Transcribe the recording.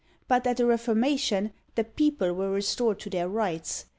But at the Reformation the people were restored to their RIGHTS!